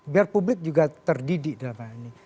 biar publik juga terdidik dalam hal ini